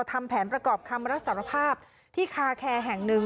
ทำแผนประกอบคำรับสารภาพที่คาแคร์แห่งหนึ่ง